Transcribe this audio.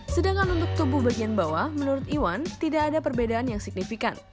sedangkan untuk tubuh bagian bawah menurut iwan tidak ada perbedaan yang signifikan